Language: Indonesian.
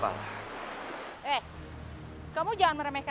tuhan tuhan archaeologicalailed tane wahyapa